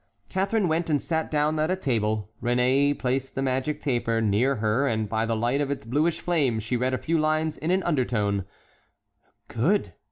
Catharine went and sat down at a table. Réné placed the magic taper near her and by the light of its bluish flame she read a few lines in an undertone: "Good!"